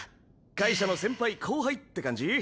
会社の先輩後輩って感じ？